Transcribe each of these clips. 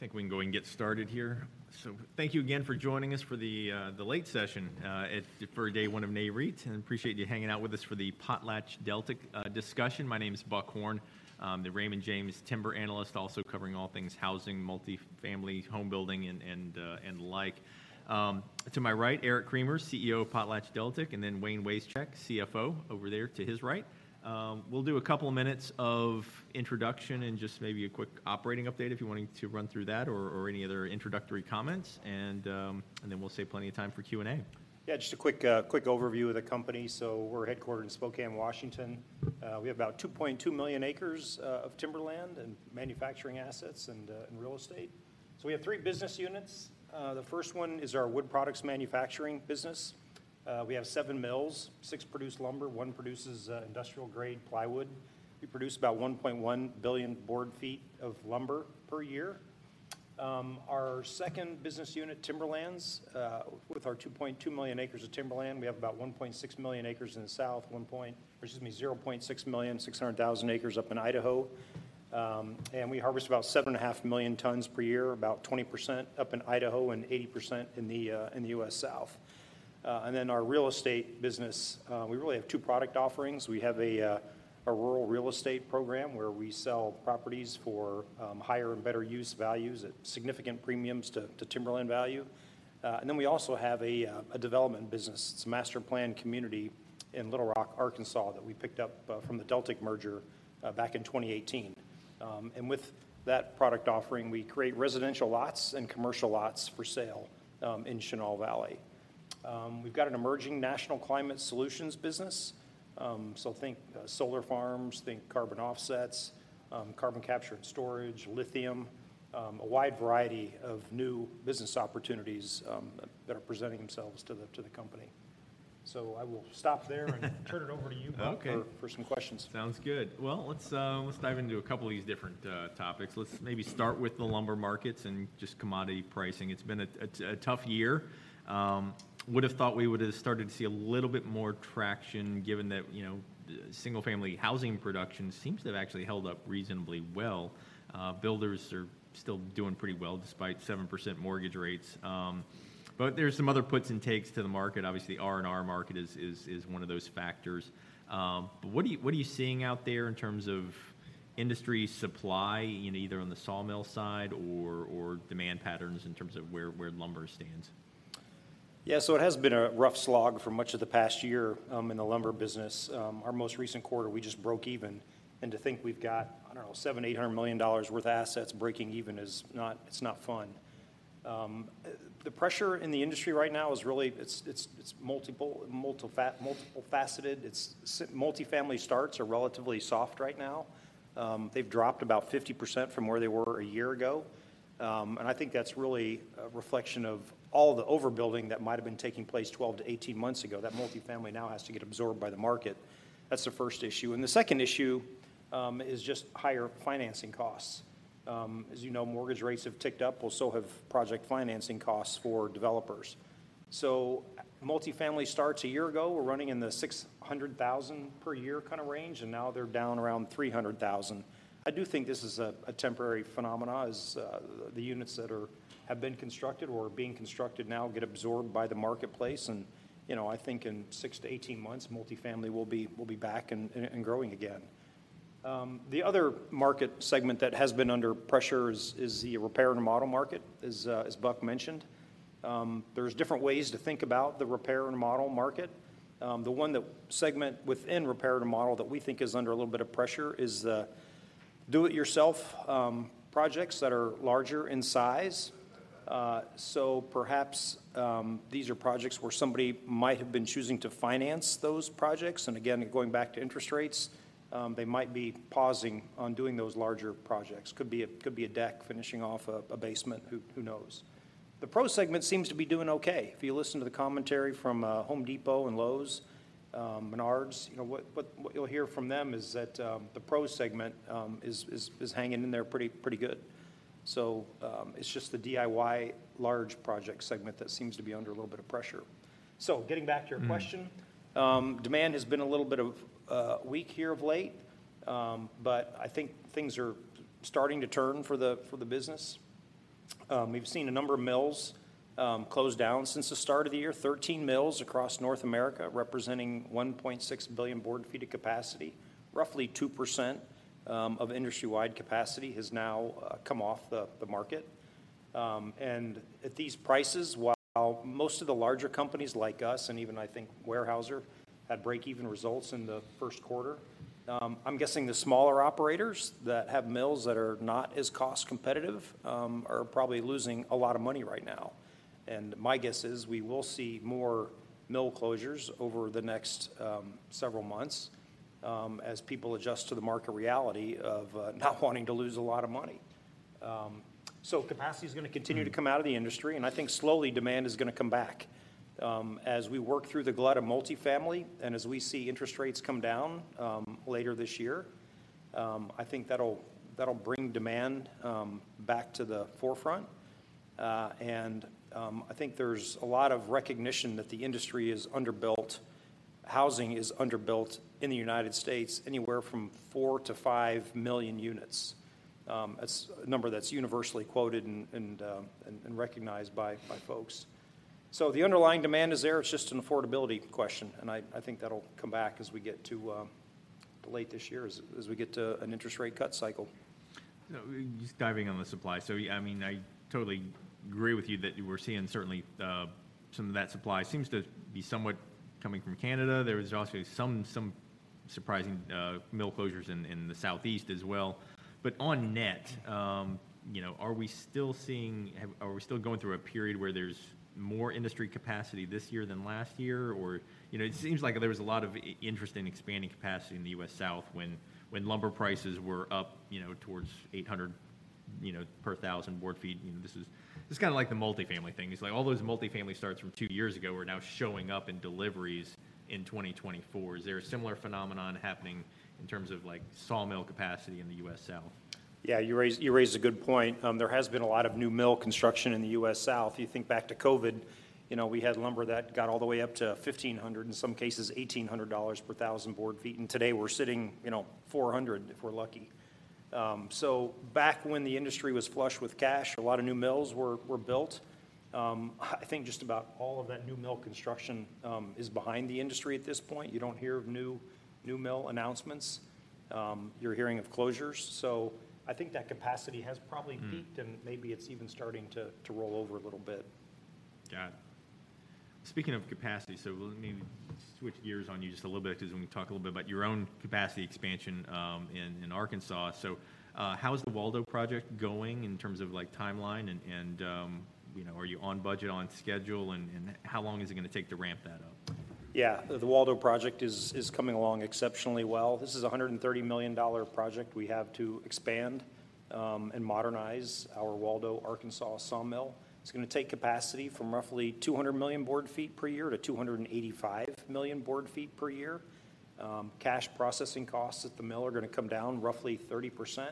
All right, I think we can go ahead and get started here. So thank you again for joining us for the late session for Day One of Nareit, and appreciate you hanging out with us for the PotlatchDeltic discussion. My name is Buck Horne, the Raymond James Timber Analyst, also covering all things housing, multifamily home building, and the like. To my right, Eric Cremers, CEO of PotlatchDeltic, and then Wayne Wasechek, CFO over there to his right. We'll do a couple of minutes of introduction and just maybe a quick operating update if you wanted to run through that or any other introductory comments, and then we'll save plenty of time for Q&A. Yeah, just a quick overview of the company. So we're headquartered in Spokane, Washington. We have about 2.2 million acres of timberland and manufacturing assets and real estate. So we have three business units. The first one is our wood products manufacturing business. We have seven mills, six produce lumber, one produces industrial-grade plywood. We produce about 1.1 billion board feet of lumber per year. Our second business unit, Timberlands, with our 2.2 million acres of timberland, we have about 1.6 million acres in the south, 600,000 acres up in Idaho, and we harvest about 7.5 million tons per year, about 20% up in Idaho and 80% in the U.S. South. And then our real estate business, we really have two product offerings. We have a rural real estate program where we sell properties for higher and better use values at significant premiums to timberland value. And then we also have a development business. It's a master plan community in Little Rock, Arkansas, that we picked up from the Deltic merger back in 2018. And with that product offering, we create residential lots and commercial lots for sale in Chenal Valley. We've got an emerging national climate solutions business, so think solar farms, think carbon offsets, carbon capture and storage, lithium, a wide variety of new business opportunities that are presenting themselves to the company. So I will stop there and turn it over to you, Buck, for some questions. Sounds good. Well, let's dive into a couple of these different topics. Let's maybe start with the lumber markets and just commodity pricing. It's been a tough year. Would have thought we would have started to see a little bit more traction given that single-family housing production seems to have actually held up reasonably well. Builders are still doing pretty well despite 7% mortgage rates. But there's some other puts and takes to the market. Obviously, the R&R market is one of those factors. But what are you seeing out there in terms of industry supply, either on the sawmill side or demand patterns in terms of where lumber stands? Yeah, so it has been a rough slog for much of the past year in the lumber business. Our most recent quarter, we just broke even. And to think we've got, I don't know, $700 million-$800 million worth of assets breaking even is not fun. The pressure in the industry right now is really multi-faceted. Multifamily starts are relatively soft right now. They've dropped about 50% from where they were a year ago. And I think that's really a reflection of all the overbuilding that might have been taking place 12-18 months ago. That multifamily now has to get absorbed by the market. That's the first issue. And the second issue is just higher financing costs. As you know, mortgage rates have ticked up. We'll still have project financing costs for developers. Multifamily starts a year ago, we're running in the 600,000 per year kind of range, and now they're down around 300,000. I do think this is a temporary phenomenon as the units that have been constructed or are being constructed now get absorbed by the marketplace. I think in 6-18 months, multifamily will be back and growing again. The other market segment that has been under pressure is the repair and remodel market, as Buck mentioned. There's different ways to think about the repair and remodel market. The one segment within repair and remodel that we think is under a little bit of pressure is the do-it-yourself projects that are larger in size. Perhaps these are projects where somebody might have been choosing to finance those projects. Again, going back to interest rates, they might be pausing on doing those larger projects. Could be a deck finishing off a basement, who knows. The pro segment seems to be doing okay. If you listen to the commentary from Home Depot and Lowe's and Menards, what you'll hear from them is that the pro segment is hanging in there pretty good. So it's just the DIY large project segment that seems to be under a little bit of pressure. So getting back to your question, demand has been a little bit weak here of late, but I think things are starting to turn for the business. We've seen a number of mills close down since the start of the year, 13 mills across North America representing 1.6 billion board feet of capacity. Roughly 2% of industry-wide capacity has now come off the market. At these prices, while most of the larger companies like us and even I think Weyerhaeuser had break-even results in the first quarter, I'm guessing the smaller operators that have mills that are not as cost competitive are probably losing a lot of money right now. My guess is we will see more mill closures over the next several months as people adjust to the market reality of not wanting to lose a lot of money. Capacity is going to continue to come out of the industry, and I think slowly demand is going to come back. As we work through the glut of multifamily and as we see interest rates come down later this year, I think that'll bring demand back to the forefront. I think there's a lot of recognition that the industry is underbuilt. Housing is underbuilt in the United States anywhere from 4-5 million units. That's a number that's universally quoted and recognized by folks. The underlying demand is there. It's just an affordability question, and I think that'll come back as we get to late this year, as we get to an interest rate cut cycle. Just diving on the supply. So I totally agree with you that we're seeing certainly some of that supply. It seems to be somewhat coming from Canada. There was also some surprising mill closures in the Southeast as well. But on net, are we still seeing, are we still going through a period where there's more industry capacity this year than last year? Or it seems like there was a lot of interest in expanding capacity in the U.S. South when lumber prices were up towards $800 per thousand board feet. This is kind of like the multifamily thing. It's like all those multifamily starts from two years ago are now showing up in deliveries in 2024. Is there a similar phenomenon happening in terms of sawmill capacity in the U.S. South? Yeah, you raise a good point. There has been a lot of new mill construction in the U.S. South. You think back to COVID, we had lumber that got all the way up to $1,500, in some cases $1,800 per thousand board feet. Today we're sitting $400 if we're lucky. Back when the industry was flush with cash, a lot of new mills were built. I think just about all of that new mill construction is behind the industry at this point. You don't hear of new mill announcements. You're hearing of closures. I think that capacity has probably peaked, and maybe it's even starting to roll over a little bit. Got it. Speaking of capacity, so let me switch gears on you just a little bit because we talked a little bit about your own capacity expansion in Arkansas. So how's the Waldo project going in terms of timeline? And are you on budget, on schedule? And how long is it going to take to ramp that up? Yeah, the Waldo project is coming along exceptionally well. This is a $130 million project we have to expand and modernize our Waldo, Arkansas sawmill. It's going to take capacity from roughly 200 million board feet per year to 285 million board feet per year. Cash processing costs at the mill are going to come down roughly 30%.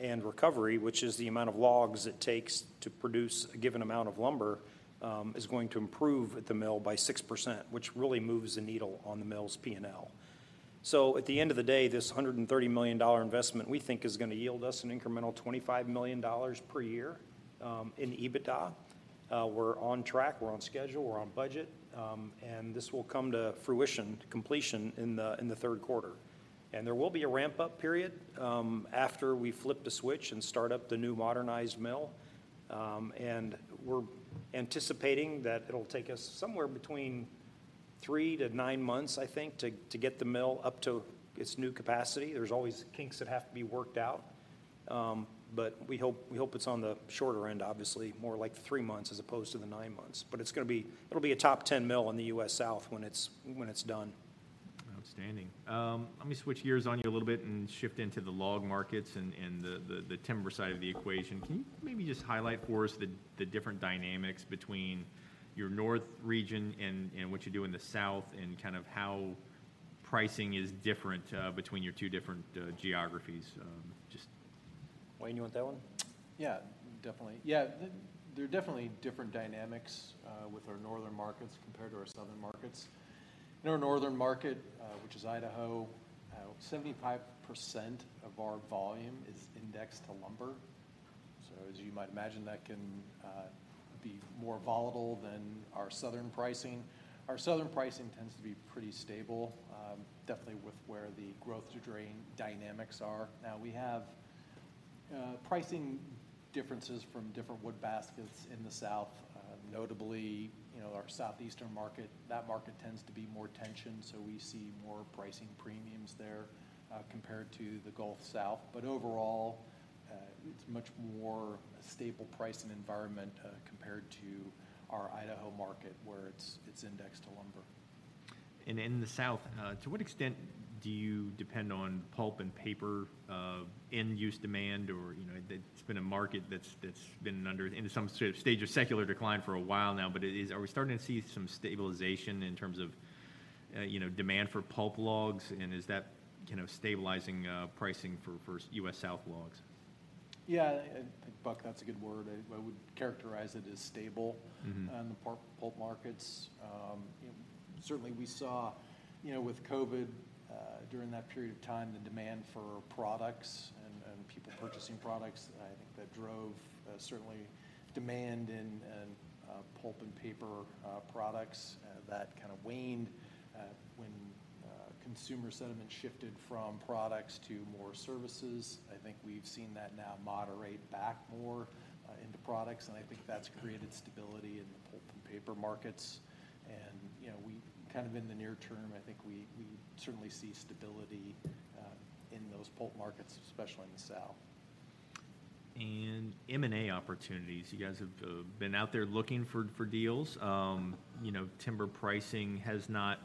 And recovery, which is the amount of logs it takes to produce a given amount of lumber, is going to improve at the mill by 6%, which really moves the needle on the mill's P&L. So at the end of the day, this $130 million investment we think is going to yield us an incremental $25 million per year in EBITDA. We're on track. We're on schedule. We're on budget. And this will come to fruition, completion in the third quarter. There will be a ramp-up period after we flip the switch and start up the new modernized mill. We're anticipating that it'll take us somewhere between 3-9 months, I think, to get the mill up to its new capacity. There's always kinks that have to be worked out. But we hope it's on the shorter end, obviously, more like 3 months as opposed to the 9 months. But it'll be a top 10 mill in the U.S. South when it's done. Outstanding. Let me switch gears on you a little bit and shift into the log markets and the timber side of the equation. Can you maybe just highlight for us the different dynamics between your North region and what you do in the South and kind of how pricing is different between your two different geographies? Wayne, you want that one? Yeah, definitely. Yeah, there are definitely different dynamics with our northern markets compared to our southern markets. In our northern market, which is Idaho, 75% of our volume is indexed to lumber. So as you might imagine, that can be more volatile than our southern pricing. Our southern pricing tends to be pretty stable, definitely with where the growth drain dynamics are. Now, we have pricing differences from different wood baskets in the South. Notably, our southeastern market, that market tends to be more tension. So we see more pricing premiums there compared to the Gulf South. But overall, it's much more a stable pricing environment compared to our Idaho market where it's indexed to lumber. In the South, to what extent do you depend on pulp and paper end-use demand? Or it's been a market that's been under some sort of stage of secular decline for a while now, but are we starting to see some stabilization in terms of demand for pulp logs? And is that kind of stabilizing pricing for U.S. South logs? Yeah, I think, Buck, that's a good word. I would characterize it as stable in the pulp markets. Certainly, we saw with COVID during that period of time, the demand for products and people purchasing products. I think that drove certainly demand in pulp and paper products that kind of waned when consumer sentiment shifted from products to more services. I think we've seen that now moderate back more into products. And I think that's created stability in the pulp and paper markets. And kind of in the near term, I think we certainly see stability in those pulp markets, especially in the South. M&A opportunities. You guys have been out there looking for deals. Timber pricing has not,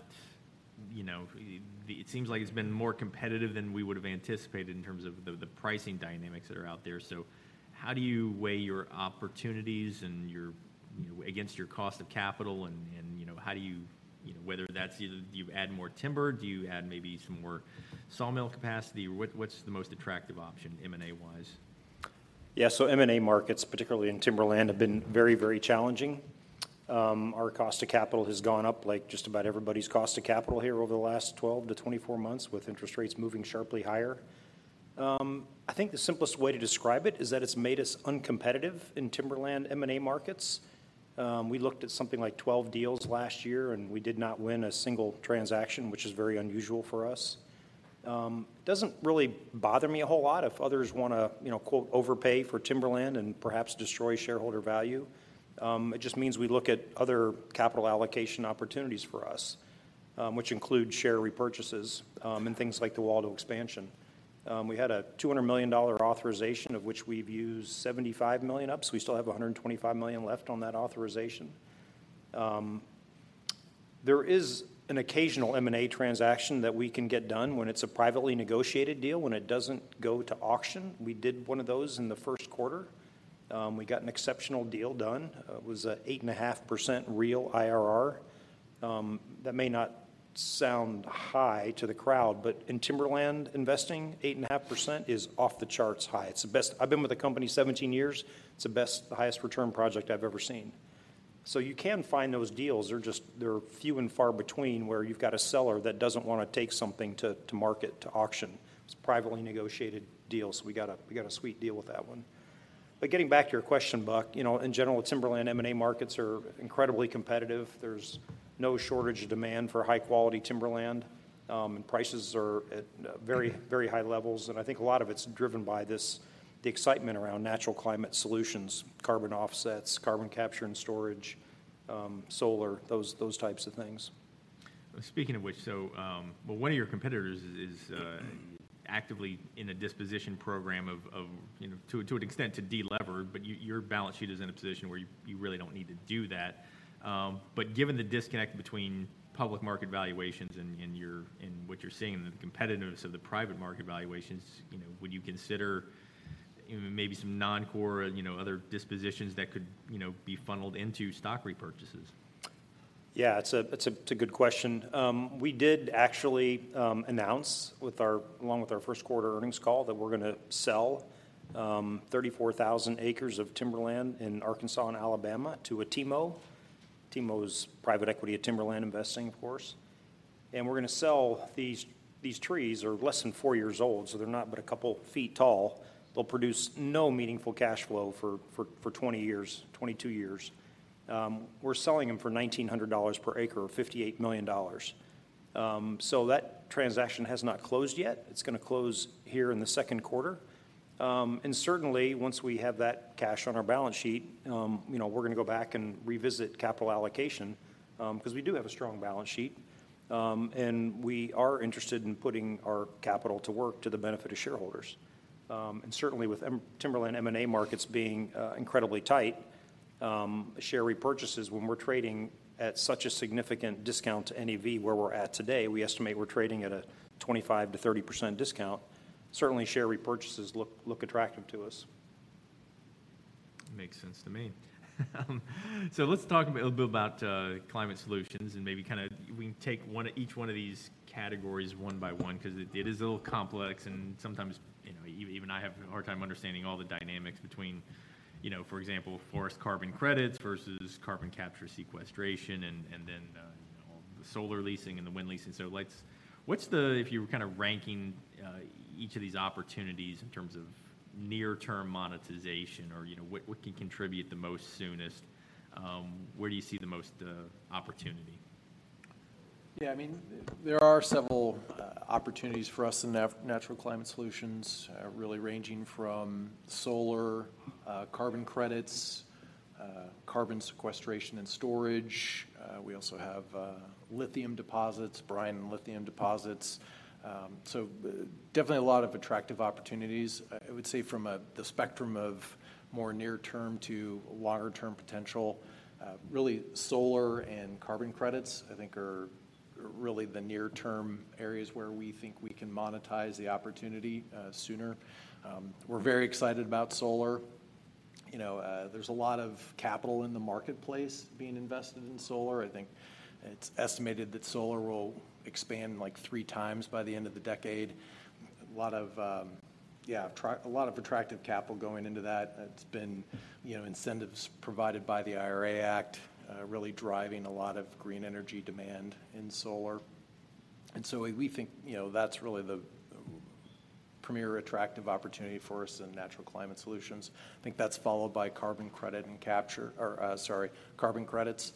it seems like it's been more competitive than we would have anticipated in terms of the pricing dynamics that are out there. So how do you weigh your opportunities against your cost of capital? And how do you, whether that's either you add more timber, do you add maybe some more sawmill capacity? What's the most attractive option M&A-wise? Yeah, so M&A markets, particularly in Timberland, have been very, very challenging. Our cost of capital has gone up like just about everybody's cost of capital here over the last 12-24 months with interest rates moving sharply higher. I think the simplest way to describe it is that it's made us uncompetitive in Timberland M&A markets. We looked at something like 12 deals last year, and we did not win a single transaction, which is very unusual for us. It doesn't really bother me a whole lot if others want to "overpay" for Timberland and perhaps destroy shareholder value. It just means we look at other capital allocation opportunities for us, which include share repurchases and things like the Waldo expansion. We had a $200 million authorization, of which we've used $75 million up. So we still have $125 million left on that authorization. There is an occasional M&A transaction that we can get done when it's a privately negotiated deal when it doesn't go to auction. We did one of those in the first quarter. We got an exceptional deal done. It was an 8.5% real IRR. That may not sound high to the crowd, but in Timberland investing, 8.5% is off the charts high. I've been with the company 17 years. It's the best, highest return project I've ever seen. So you can find those deals. They're few and far between where you've got a seller that doesn't want to take something to market, to auction. It's a privately negotiated deal. So we got a sweet deal with that one. But getting back to your question, Buck, in general, Timberland M&A markets are incredibly competitive. There's no shortage of demand for high-quality Timberland, and prices are at very, very high levels. I think a lot of it's driven by the excitement around natural climate solutions, carbon offsets, carbon capture and storage, solar, those types of things. Speaking of which, one of your competitors is actively in a disposition program to an extent to deleverage, but your balance sheet is in a position where you really don't need to do that. But given the disconnect between public market valuations and what you're seeing in the competitiveness of the private market valuations, would you consider maybe some non-core, other dispositions that could be funneled into stock repurchases? Yeah, it's a good question. We did actually announce along with our first quarter earnings call that we're going to sell 34,000 acres of timberland in Arkansas and Alabama to a TIMO. TIMO is private equity at Timberland Investing, of course. And we're going to sell these trees are less than four years old, so they're not but a couple feet tall. They'll produce no meaningful cash flow for 20 years, 22 years. We're selling them for $1,900 per acre or $58 million. So that transaction has not closed yet. It's going to close here in the second quarter. And certainly, once we have that cash on our balance sheet, we're going to go back and revisit capital allocation because we do have a strong balance sheet. And we are interested in putting our capital to work to the benefit of shareholders. Certainly, with Timberland M&A markets being incredibly tight, share repurchases, when we're trading at such a significant discount to NAV where we're at today, we estimate we're trading at a 25%-30% discount. Certainly, share repurchases look attractive to us. Makes sense to me. So let's talk a little bit about climate solutions and maybe kind of we can take each one of these categories one by one because it is a little complex. And sometimes even I have a hard time understanding all the dynamics between, for example, forest carbon credits versus carbon capture sequestration and then the solar leasing and the wind leasing. So what's the, if you were kind of ranking each of these opportunities in terms of near-term monetization or what can contribute the most soonest, where do you see the most opportunity? Yeah, I mean, there are several opportunities for us in natural climate solutions, really ranging from solar, carbon credits, carbon sequestration and storage. We also have lithium deposits, brine and lithium deposits. So definitely a lot of attractive opportunities. I would say from the spectrum of more near-term to longer-term potential, really solar and carbon credits, I think, are really the near-term areas where we think we can monetize the opportunity sooner. We're very excited about solar. There's a lot of capital in the marketplace being invested in solar. I think it's estimated that solar will expand like 3 times by the end of the decade. A lot of, yeah, a lot of attractive capital going into that. It's been incentives provided by the IRA Act really driving a lot of green energy demand in solar. We think that's really the premier attractive opportunity for us in natural climate solutions. I think that's followed by carbon credit and capture or, sorry, carbon credits.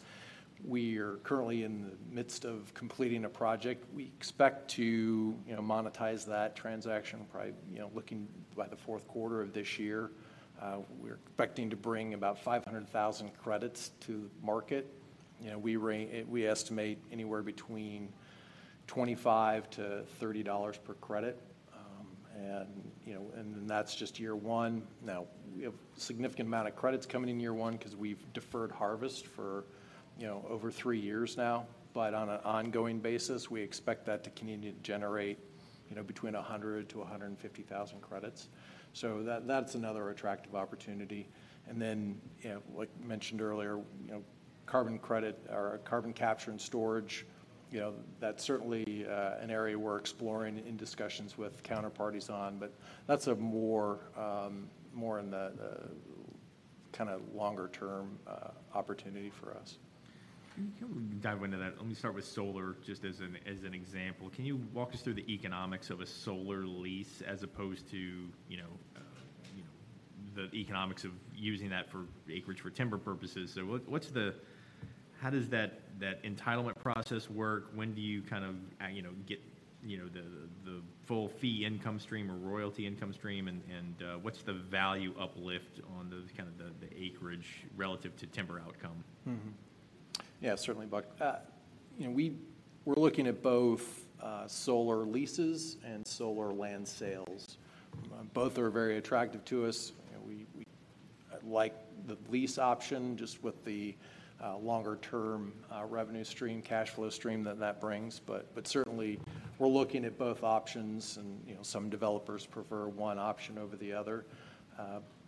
We are currently in the midst of completing a project. We expect to monetize that transaction, probably looking by the fourth quarter of this year. We're expecting to bring about 500,000 credits to the market. We estimate anywhere between $25-$30 per credit. And that's just year one. Now, we have a significant amount of credits coming in year one because we've deferred harvest for over three years now. But on an ongoing basis, we expect that to continue to generate between 100,000-150,000 credits. So that's another attractive opportunity. And then, like mentioned earlier, carbon credit or carbon capture and storage, that's certainly an area we're exploring in discussions with counterparties on. But that's more in the kind of longer-term opportunity for us. Can we dive into that? Let me start with solar just as an example. Can you walk us through the economics of a solar lease as opposed to the economics of using that for acreage for timber purposes? So how does that entitlement process work? When do you kind of get the full fee income stream or royalty income stream? And what's the value uplift on kind of the acreage relative to timber outcome? Yeah, certainly, Buck. We're looking at both solar leases and solar land sales. Both are very attractive to us. We like the lease option just with the longer-term revenue stream, cash flow stream that that brings. But certainly, we're looking at both options. And some developers prefer one option over the other.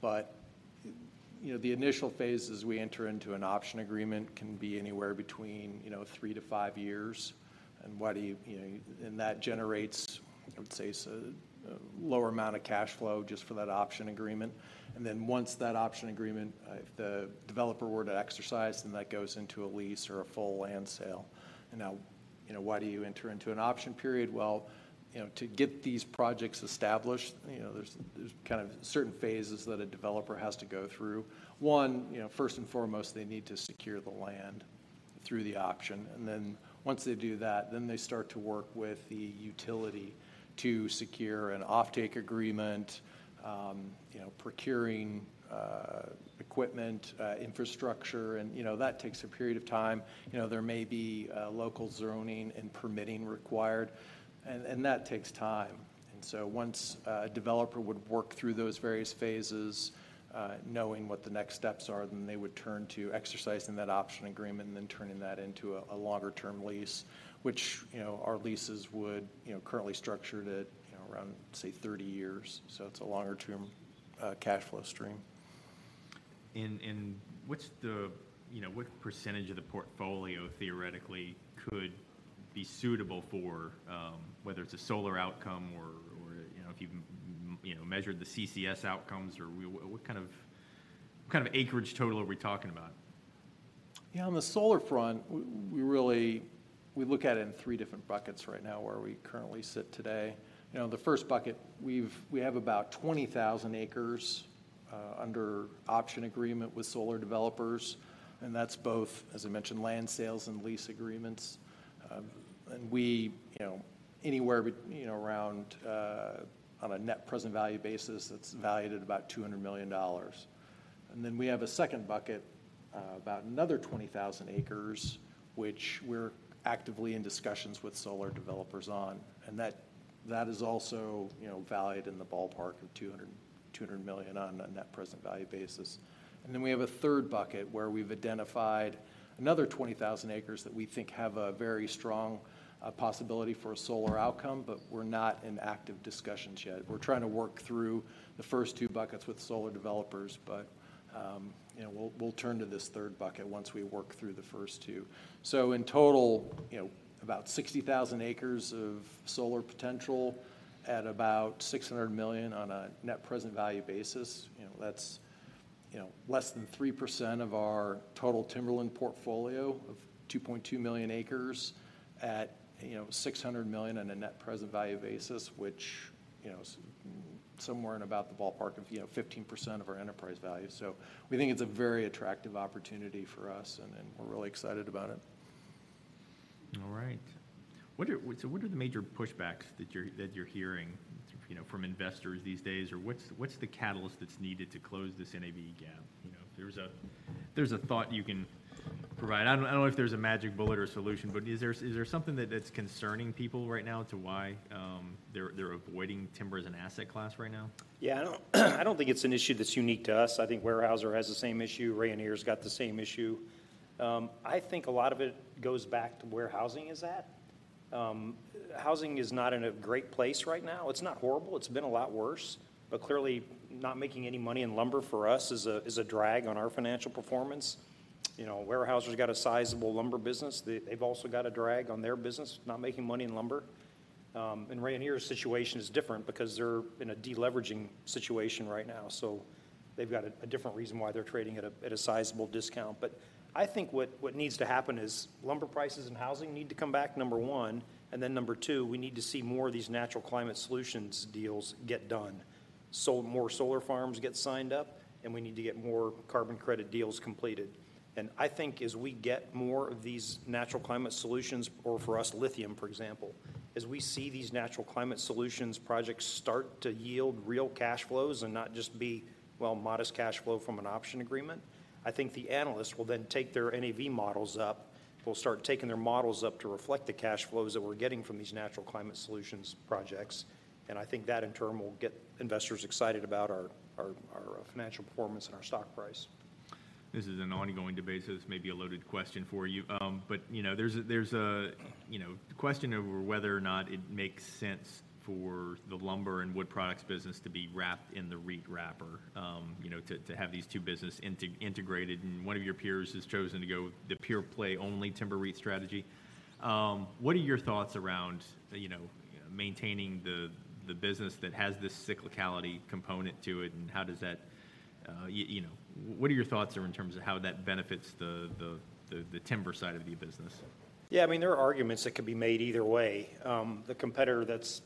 But the initial phase as we enter into an option agreement can be anywhere between three to five years. And that generates, I would say, a lower amount of cash flow just for that option agreement. And then once that option agreement, if the developer were to exercise, then that goes into a lease or a full land sale. And now, why do you enter into an option period? Well, to get these projects established, there's kind of certain phases that a developer has to go through. 1, first and foremost, they need to secure the land through the option. And then once they do that, then they start to work with the utility to secure an offtake agreement, procuring equipment, infrastructure. And that takes a period of time. There may be local zoning and permitting required. And that takes time. And so once a developer would work through those various phases, knowing what the next steps are, then they would turn to exercising that option agreement and then turning that into a longer-term lease, which our leases would currently structure at around, say, 30 years. So it's a longer-term cash flow stream. What percentage of the portfolio theoretically could be suitable for, whether it's a solar outcome or if you've measured the CCS outcomes? Or what kind of acreage total are we talking about? Yeah, on the solar front, we look at it in three different buckets right now where we currently sit today. The first bucket, we have about 20,000 acres under option agreement with solar developers. And that's both, as I mentioned, land sales and lease agreements. And anywhere around on a net present value basis, that's valued at about $200 million. And then we have a second bucket, about another 20,000 acres, which we're actively in discussions with solar developers on. And that is also valued in the ballpark of $200 million on a net present value basis. And then we have a third bucket where we've identified another 20,000 acres that we think have a very strong possibility for a solar outcome, but we're not in active discussions yet. We're trying to work through the first two buckets with solar developers. We'll turn to this third bucket once we work through the first two. In total, about 60,000 acres of solar potential at about $600 million on a net present value basis. That's less than 3% of our total timberland portfolio of 2.2 million acres at $600 million on a net present value basis, which is somewhere in about the ballpark of 15% of our enterprise value. We think it's a very attractive opportunity for us, and we're really excited about it. All right. So what are the major pushbacks that you're hearing from investors these days? Or what's the catalyst that's needed to close this NAV gap? If there's a thought you can provide. I don't know if there's a magic bullet or solution, but is there something that's concerning people right now as to why they're avoiding timber as an asset class right now? Yeah, I don't think it's an issue that's unique to us. I think Weyerhaeuser has the same issue. Rayonier's got the same issue. I think a lot of it goes back to where housing is at. Housing is not in a great place right now. It's not horrible. It's been a lot worse. But clearly, not making any money in lumber for us is a drag on our financial performance. Weyerhaeuser's got a sizable lumber business. They've also got a drag on their business not making money in lumber. And Rayonier's situation is different because they're in a deleveraging situation right now. So they've got a different reason why they're trading at a sizable discount. But I think what needs to happen is lumber prices and housing need to come back, number one. And then number two, we need to see more of these natural climate solutions deals get done. So more solar farms get signed up, and we need to get more carbon credit deals completed. And I think as we get more of these natural climate solutions, or for us, lithium, for example, as we see these natural climate solutions projects start to yield real cash flows and not just be, well, modest cash flow from an option agreement, I think the analysts will then take their NAV models up. They'll start taking their models up to reflect the cash flows that we're getting from these natural climate solutions projects. And I think that, in turn, will get investors excited about our financial performance and our stock price. This is an ongoing debate, so this may be a loaded question for you. But there's a question over whether or not it makes sense for the lumber and wood products business to be wrapped in the REIT wrapper to have these two businesses integrated. And one of your peers has chosen to go with the pure-play-only timber REIT strategy. What are your thoughts around maintaining the business that has this cyclicality component to it? And how does that, what are your thoughts in terms of how that benefits the timber side of the business? Yeah, I mean, there are arguments that could be made either way. The competitor that's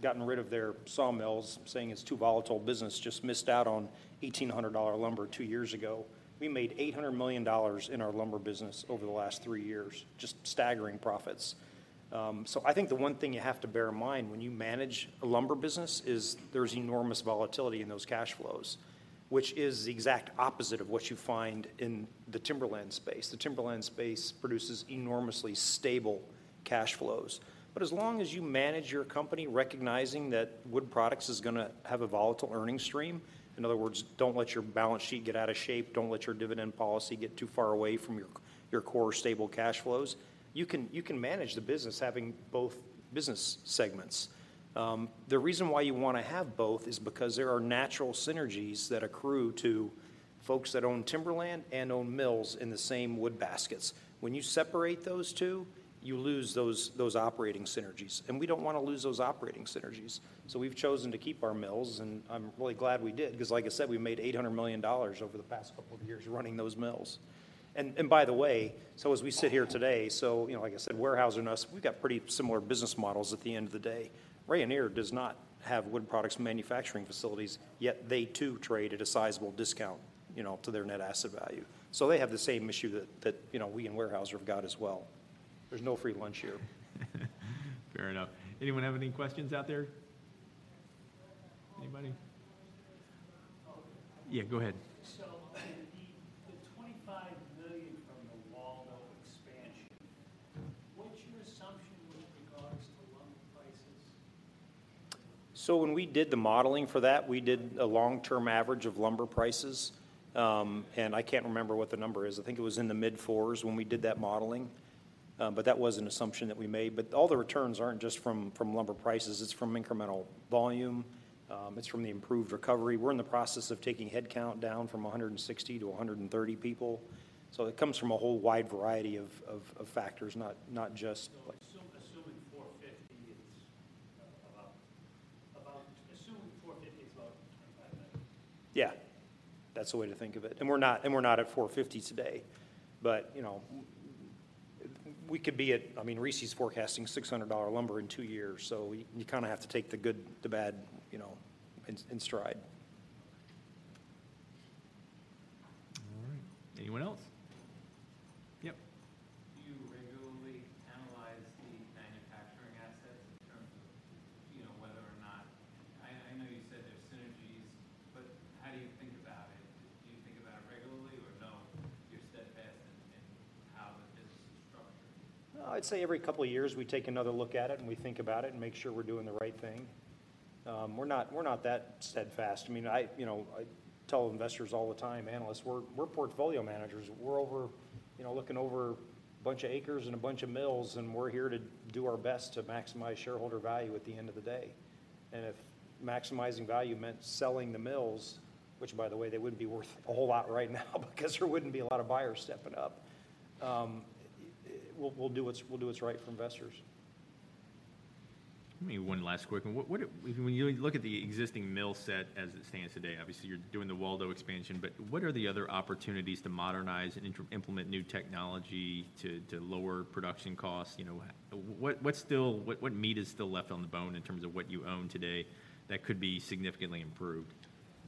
gotten rid of their sawmills, saying it's too volatile business, just missed out on $1,800 lumber two years ago. We made $800 million in our lumber business over the last three years, just staggering profits. So I think the one thing you have to bear in mind when you manage a lumber business is there's enormous volatility in those cash flows, which is the exact opposite of what you find in the timberland space. The timberland space produces enormously stable cash flows. But as long as you manage your company recognizing that Wood Products is going to have a volatile earnings stream, in other words, don't let your balance sheet get out of shape, don't let your dividend policy get too far away from your core stable cash flows, you can manage the business having both business segments. The reason why you want to have both is because there are natural synergies that accrue to folks that own timberland and own mills in the same wood baskets. When you separate those two, you lose those operating synergies. And we don't want to lose those operating synergies. So we've chosen to keep our mills. And I'm really glad we did because, like I said, we've made $800 million over the past couple of years running those mills. By the way, so as we sit here today, so like I said, Weyerhaeuser and us, we've got pretty similar business models at the end of the day. Rayonier does not have Wood Products manufacturing facilities, yet they too trade at a sizable discount to their Net Asset Value. So they have the same issue that we and Weyerhaeuser have got as well. There's no free lunch here. Fair enough. Anyone have any questions out there? Anybody? Yeah, go ahead. The $25 million from the Waldo expansion, what's your assumption with regards to lumber prices? So when we did the modeling for that, we did a long-term average of lumber prices. I can't remember what the number is. I think it was in the mid-4s when we did that modeling. That was an assumption that we made. All the returns aren't just from lumber prices. It's from incremental volume. It's from the improved recovery. We're in the process of taking headcount down from 160 to 130 people. It comes from a whole wide variety of factors, not just. So assuming 450, it's about $25 million. Yeah. That's the way to think of it. We're not at $450 today. But we could be at, I mean, RISI's forecasting $600 lumber in two years. So you kind of have to take the good, the bad in stride. All right. Anyone else? Yep. Do you regularly analyze the manufacturing assets in terms of whether or not, you know, you said there's synergies, but how do you think about it? Do you think about it regularly or, you know, you're steadfast in how the business is structured? I'd say every couple of years we take another look at it and we think about it and make sure we're doing the right thing. We're not that steadfast. I mean, I tell investors all the time, analysts, we're portfolio managers. We're looking over a bunch of acres and a bunch of mills, and we're here to do our best to maximize shareholder value at the end of the day. And if maximizing value meant selling the mills, which, by the way, they wouldn't be worth a whole lot right now because there wouldn't be a lot of buyers stepping up, we'll do what's right for investors. Let me one last quick one. When you look at the existing mill set as it stands today, obviously you're doing the Waldo expansion. But what are the other opportunities to modernize and implement new technology to lower production costs? What meat is still left on the bone in terms of what you own today that could be significantly improved?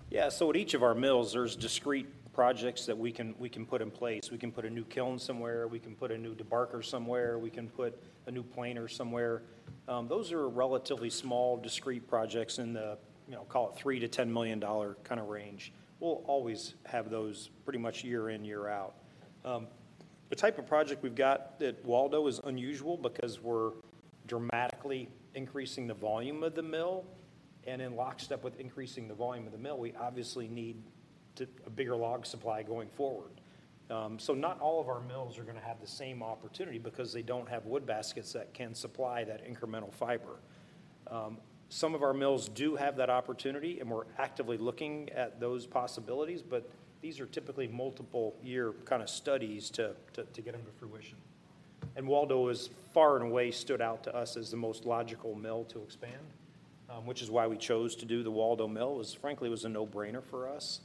Yeah. So at each of our mills, there's discrete projects that we can put in place. We can put a new kiln somewhere. We can put a new debarkers somewhere. We can put a new planer somewhere. Those are relatively small, discrete projects in the, call it, $3-$10 million kind of range. We'll always have those pretty much year in, year out. The type of project we've got at Waldo is unusual because we're dramatically increasing the volume of the mill. And in lockstep with increasing the volume of the mill, we obviously need a bigger log supply going forward. So not all of our mills are going to have the same opportunity because they don't have wood baskets that can supply that incremental fiber. Some of our mills do have that opportunity, and we're actively looking at those possibilities. But these are typically multiple-year kind of studies to get them to fruition. And Waldo has far and away stood out to us as the most logical mill to expand, which is why we chose to do the Waldo mill. Frankly, it was a no-brainer for us.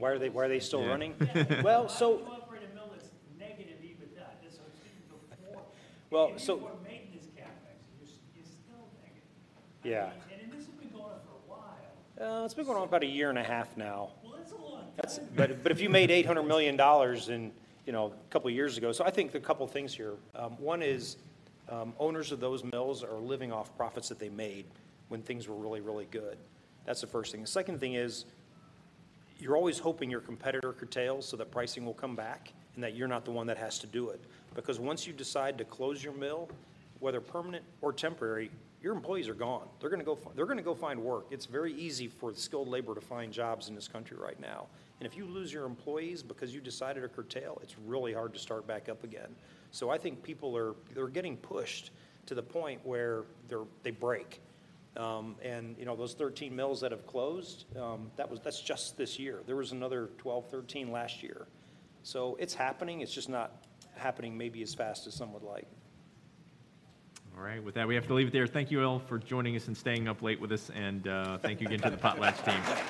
Why are they still running? Well, so. Why do you operate a mill that's negative even that? This was even before maintenance CapEx. It's still negative. This has been going on for a while. It's been going on about a year and a half now. Well, that's a long. But if you made $800 million a couple of years ago, so I think there are a couple of things here. One is owners of those mills are living off profits that they made when things were really, really good. That's the first thing. The second thing is you're always hoping your competitor curtails so that pricing will come back and that you're not the one that has to do it. Because once you decide to close your mill, whether permanent or temporary, your employees are gone. They're going to go find work. It's very easy for skilled labor to find jobs in this country right now. And if you lose your employees because you decided to curtail, it's really hard to start back up again. So I think people are getting pushed to the point where they break. And those 13 mills that have closed, that's just this year. There was another 12, 13 last year. So it's happening. It's just not happening maybe as fast as some would like. All right. With that, we have to leave it there. Thank you all for joining us and staying up late with us. Thank you again to the Potlatch team.